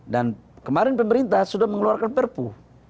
dan kemarin pemerintah sudah mengeluarkan perpu